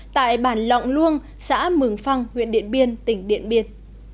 tại bản lọng luông xã mường phăng huyện điện biên tỉnh điện biên